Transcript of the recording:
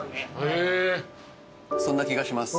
そんな気がします。